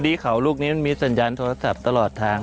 ที่เขาลูกนี้มันมีสัญญาณโทรศัพท์ตลอดทาง